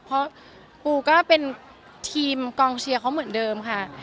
เพราะปูก็เป็นทีมกองเชียร์เขาเหมือนเดิมค่ะ